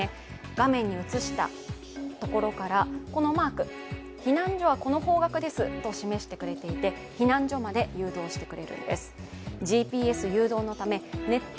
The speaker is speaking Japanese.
画面に映したところからこのマーク、避難所はこの方角ですと示していて避難所まで誘導してくれるんです。